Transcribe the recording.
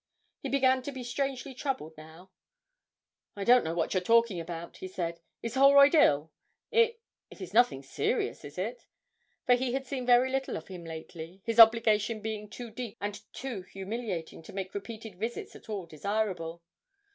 He began to be strangely troubled now. 'I don't know what you're talking about,' he said; 'is Holroyd ill? it it is nothing serious, is it?' For he had seen very little of him lately, his obligation being too deep and too humiliating to make repeated visits at all desirable.